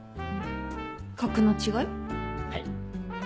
はい。